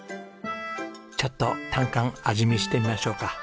ちょっとタンカン味見してみましょうか。